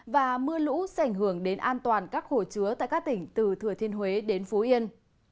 và mưa lũ sẽ ảnh hưởng đến an toàn các hồ chứa tại các tỉnh từ thừa thiên huế đến phú yên